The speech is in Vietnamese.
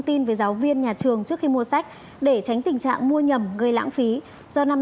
tin với giáo viên nhà trường trước khi mua sách để tránh tình trạng mua nhầm gây lãng phí do năm